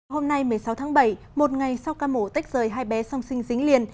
hôm nay một mươi sáu tháng bảy một ngày sau ca mổ tách rời hai bé song sinh dính liền